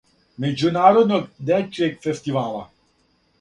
Међународног дечијег фестивала.